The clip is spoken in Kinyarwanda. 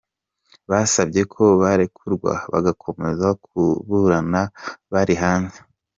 Basabye ko barekurwa bagakomeza kuburana bari hanze.